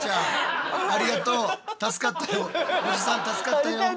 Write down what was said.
おじさん助かったよ。